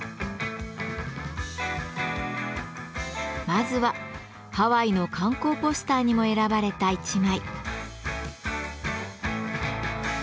まずはハワイの観光ポスターにも選ばれた１枚。